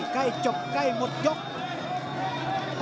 ใกล้จบใกล้หมดยก